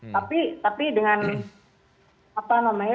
tapi tapi dengan apa namanya